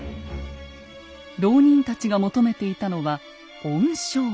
牢人たちが求めていたのは恩賞。